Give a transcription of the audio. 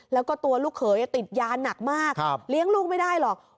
แล้วก็ตัวลูกเขยติดยาหนักมากเลี้ยงลูกไม่ได้หรอก